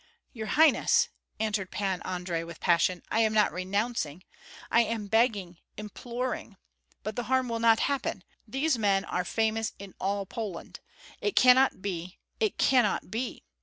"Your highness," answered Pan Andrei, with passion, "I am not renouncing; I am begging, imploring. But the harm will not happen. These men are famous in all Poland. It cannot be, it cannot be!